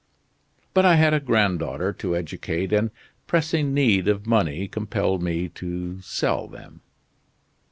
But I had a granddaughter to educate and pressing need of money compelled me to sell them."